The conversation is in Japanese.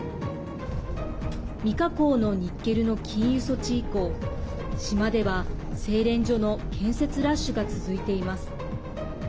未加工のニッケルの禁輸措置以降島では、製錬所の建設ラッシュが続いています。